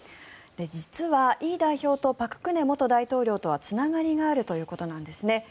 実は、イ代表と朴槿惠元大統領とはつながりがあるということなんですね。